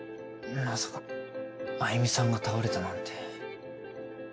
まさかあゆみさんが倒れたなんて。